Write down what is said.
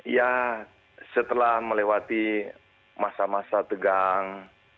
ya setelah melewati masa masa tegang